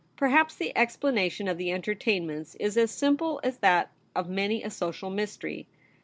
Perhaps the ex planation of the entertainments is as simple as that of many a social mystery.